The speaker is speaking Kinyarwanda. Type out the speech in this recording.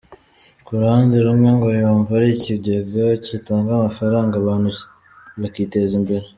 Ku ruhande rumwe ngo yumva ari ikigega gitanga amafaranga abantu bakiteza imbere.